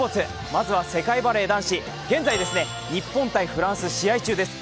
まずは世界バレー男子、現在、日本×フランス試合中です。